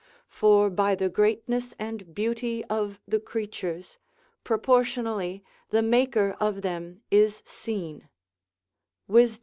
For by the greatness and beauty of the creatures, proportionally, the maker of them is seen, Wisd.